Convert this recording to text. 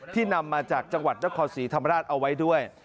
ที่นำมาจากจังหวัดรกษีธรรมดาศเอาไว้ด้วย